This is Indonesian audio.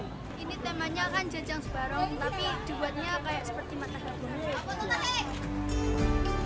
ini temanya kan jajang sebarang tapi dibuatnya kayak seperti matang bambu